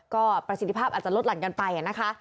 ก็ประสิทธิภาพอาจจะลดหลั่นกันไปนะคะ